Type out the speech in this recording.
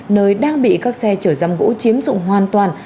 nơi đang bị các xe chở răm gỗ chiếm dụng hoàn toàn